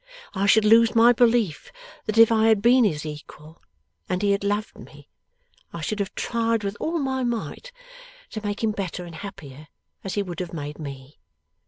I should lose my belief that if I had been his equal, and he had loved me, I should have tried with all my might to make him better and happier, as he would have made me.